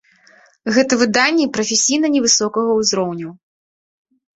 Гэта выданні прафесійна невысокага ўзроўню.